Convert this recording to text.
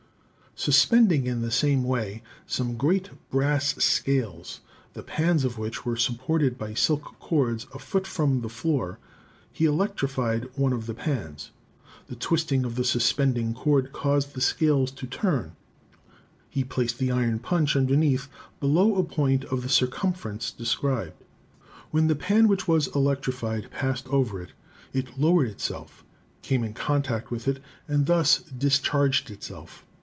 Suspending in the same way some great brass scales, the pans of which were supported by silk cords a foot from the floor, he electrified one of the pans. The twisting of the suspending cord caused the scales to turn ; he placed the iron punch underneath, below a point of the circumference described. When the pan which was elec trified passed over it, it lowered itself, came in contact with it and thus discharged itself.